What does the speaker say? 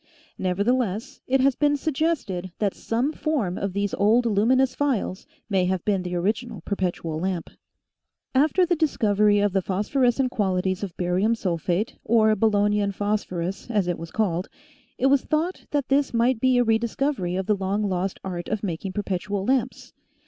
Nevertheless, it has been suggested that some form of these old luminous phials may have been the original perpetual lamp. After the discovery of the phosphorescent qualities of 102 A j iTSjE^&E^EN^EOLLiEs OF SCIENCE barium sulphate or Bolognian phosphorus, as it was called, it was thought that this might be a re discovery of the long lost art of making perpetual lamps.